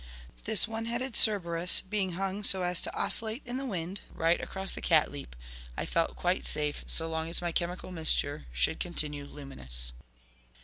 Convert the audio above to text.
This one headed Cerberus being hung so as to oscillate in the wind, right across the cat leap, I felt quite safe, so long as my chemical mixture should continue luminous.